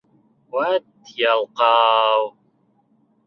Вәт ялҡау...